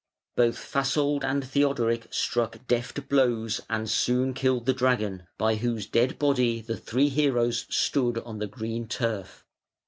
Both Fasold and Theodoric struck deft blows and soon killed the dragon, by whose dead body the three heroes stood on the green turf.